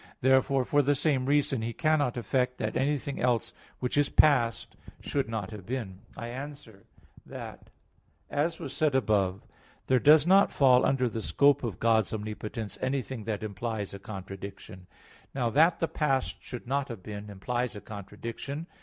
Therefore, for the same reason, He cannot effect that anything else which is past should not have been. I answer that, As was said above (Q. 7, A. 2), there does not fall under the scope of God's omnipotence anything that implies a contradiction. Now that the past should not have been implies a contradiction.